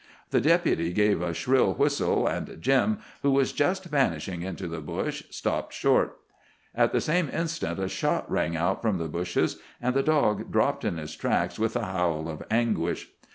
The Deputy gave a shrill whistle, and Jim, who was just vanishing into the bush, stopped short. At the same instant a shot rang out from the bushes, and the dog dropped in his tracks with a howl of anguish.